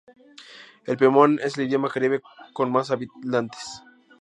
El pemón es el idioma Caribe con más hablantes.